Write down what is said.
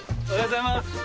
おはようございます。